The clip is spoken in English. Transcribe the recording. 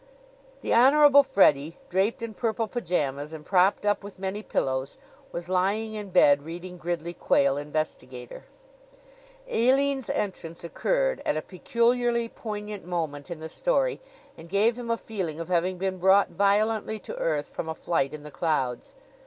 The Honorable Freddie, draped in purple pyjamas and propped up with many pillows, was lying in bed, reading Gridley Quayle, Investigator. Aline's entrance occurred at a peculiarly poignant moment in the story and gave him a feeling of having been brought violently to earth from a flight in the clouds.